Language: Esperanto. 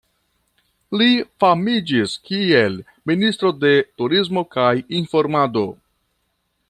Li famiĝis kiel ministro de Turismo kaj Informado.